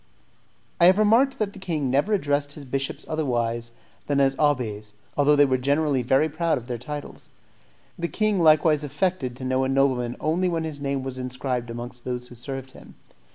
I have remarked that the king never addressed his bishops otherwise than as abbés, although they were generally very proud of their titles. The king likewise affected to know a nobleman only when his name was inscribed amongst those who served him.